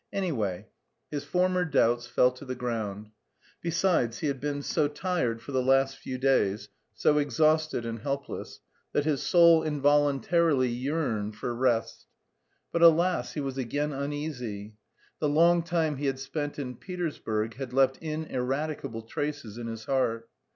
Anyway, his former doubts fell to the ground. Besides, he had been so tired for the last few days, so exhausted and helpless, that his soul involuntarily yearned for rest. But alas! he was again uneasy. The long time he had spent in Petersburg had left ineradicable traces in his heart.